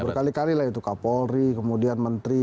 berkali kali lah itu kapolri kemudian menteri